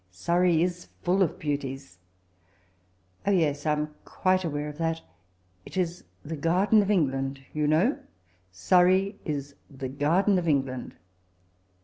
Surrey is foil of beautiea' *'' Oh I yes, I am quite aware of that It ia the garden of England, you know, Surrey is the garden of England.